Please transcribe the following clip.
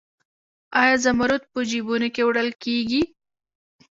آیا زمرد په جیبونو کې وړل کیږي؟